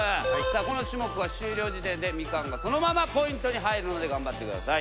この種目は終了時点でみかんがそのままポイントに入るので頑張ってください。